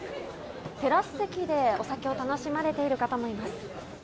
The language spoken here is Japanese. テラス席でお酒を楽しまれている方もいます。